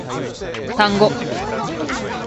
単語